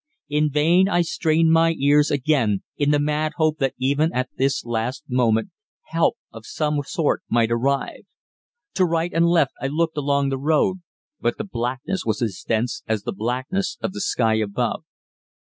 In vain I strained my ears again in the mad hope that even at this last moment help of some sort might arrive. To right and left I looked along the road, but the blackness was as dense as the blackness of the sky above.